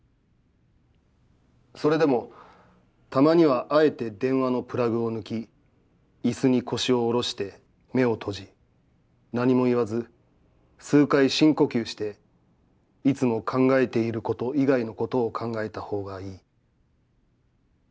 それでも、たまにはあえて電話のプラグを抜き、椅子に腰をおろして、目を閉じ、何も言わず、数回深呼吸して、いつも考えていること以外のことを考えた方がいい。